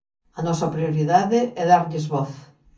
A nosa prioridade é darlles voz.